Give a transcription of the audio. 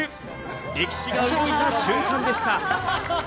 歴史が動いた瞬間でした。